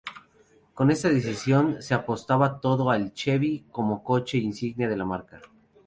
Con esta decisión, se apostaba todo al Chevy como coche insignia de la marca.